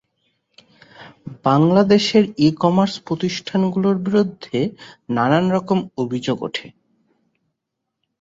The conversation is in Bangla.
বাংলাদেশের ই-কমার্স প্রতিষ্ঠান গুলোর বিরুদ্ধে নানা রকম অভিযোগ উঠে।